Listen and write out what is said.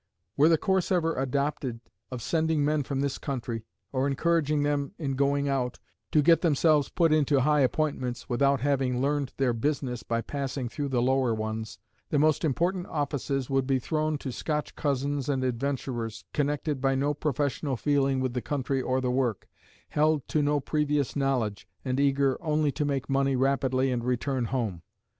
Were the course ever adopted of sending men from this country, or encouraging them in going out, to get themselves put into high appointments without having learned their business by passing through the lower ones, the most important offices would be thrown to Scotch cousins and adventurers, connected by no professional feeling with the country or the work, held to no previous knowledge, and eager only to make money rapidly and return home.